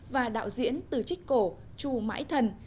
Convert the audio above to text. và đạo diễn từ trích cổ chù mãi thần